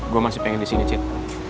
gue masih pengen disini cik